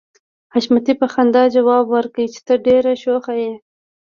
حشمتي په خندا ځواب ورکړ چې ته ډېره شوخه يې